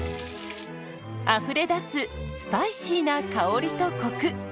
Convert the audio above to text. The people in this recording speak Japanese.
あふれ出すスパイシーな香りとコク。